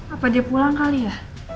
apa dia pulang kali ya